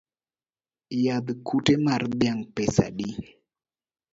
Yadh kute mar dhiang’ pesa adi?